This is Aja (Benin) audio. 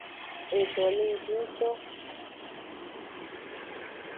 Edo le ngji ngto.